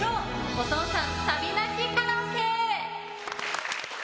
お父さんサビ泣きカラオケ！